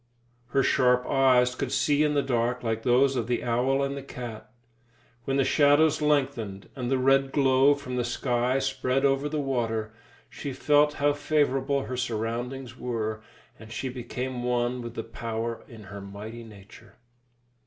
Her sharp eyes could see in the dark like those of the owl and the cat. When the shadows lengthened, and the red glow from the sky spread over the water, she felt how favourable her surroundings were, and she became one with the power in her mighty nature.